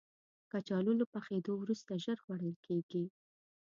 کچالو له پخېدو وروسته ژر خوړل کېږي